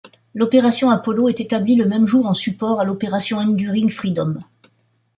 L'opération Apollo est établie le même jour en support à l'opération Enduring Freedom.